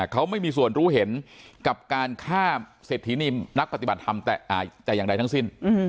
เขาไม่มีส่วนรู้เห็นกับการฆ่าเศรษฐีนีนักปฏิบัติธรรมแต่อย่างใดทั้งสิ้น